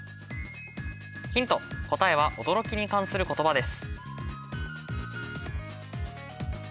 ヒント、答えは驚きに関することばです。